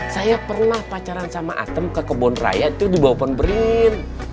saya pernah pacaran sama atem ke kebun raya itu di bawah pohon beringin